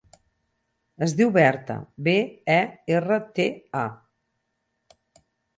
Es diu Berta: be, e, erra, te, a.